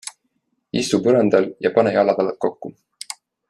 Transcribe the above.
Istu põrandal ja pane jalatallad kokku.